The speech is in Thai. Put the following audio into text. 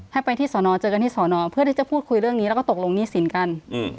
ให้ไปที่สอนอเจอกันที่สอนอเพื่อที่จะพูดคุยเรื่องนี้แล้วก็ตกลงหนี้สินกัน